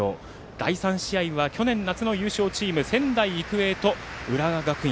第３試合は去年夏の優勝チーム仙台育英と浦和学院。